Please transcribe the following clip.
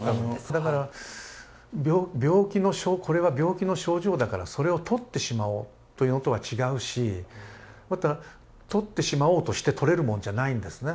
だから「これは病気の症状だからそれを取ってしまおう」というのとは違うしまた取ってしまおうとして取れるもんじゃないんですね。